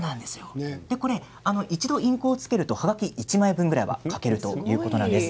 一度インクをつけるとはがき１枚分ぐらいは書けるということなんです。